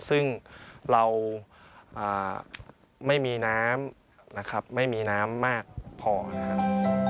ซึ่งเราไม่มีน้ำนะครับไม่มีน้ำมากพอนะครับ